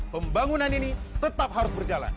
pembangunan ini tetap harus berjalan